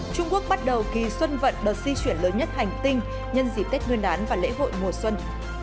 trung quốc bắt đầu kỳ xuân vận đợt di chuyển lớn nhất hành tinh nhân dịp tết nguyên đán và lễ hội mùa xuân